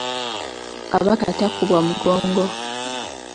Kabaka takubwa mugongo.